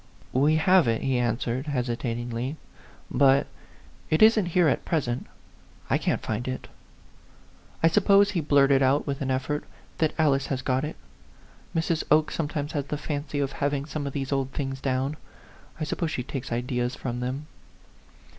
" "We have it," he answered, hesitatingly, " but it isn't here at present I can't find A PHANTOM LOVER. 69 it. I suppose," he blurted out, with an ef fort, " that Alice has got it. Mrs. Oke some times has the fancy of having some of these old things down. I suppose she takes ideas' from them."